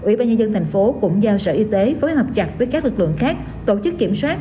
tp hcm cũng giao sở y tế phối hợp chặt với các lực lượng khác tổ chức kiểm soát